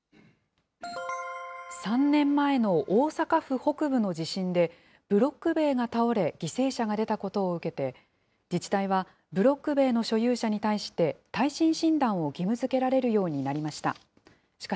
３年前の大阪府北部の地震で、ブロック塀が倒れ犠牲者が出たことを受けて、自治体はブロック塀の所有者に対して、耐震診断を義務づけられるようになりました。